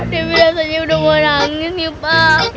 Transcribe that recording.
debi rasanya udah mau nangis yuk pak